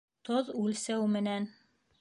Тоҙ үлсәү менән.